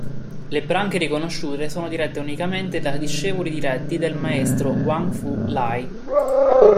Le branche riconosciute sono dirette unicamente da discepoli diretti del Maestro Wang Fu Lai